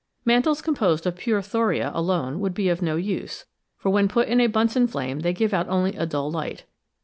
Mantles composed of pure thoria alone would be of no use, for when put in a Bunscn flame they give out only a dull light.